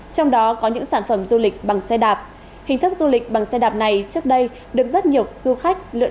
trong đó có những sản phẩm du lịch bằng xe đạp hình thức du lịch bằng xe đạp này trước đây được rất nhiều du khách lựa chọn